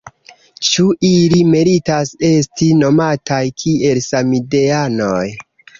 Ĉu ili meritas esti nomataj kiel ‘samideanoj’?